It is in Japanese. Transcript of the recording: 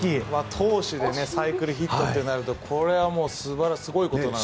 投手でサイクルヒットとなるとこれはすごいことなので。